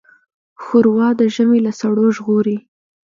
ښوروا د ژمي له سړو ژغوري.